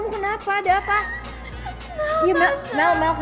tapi untuk kayanya saya sudah diyorum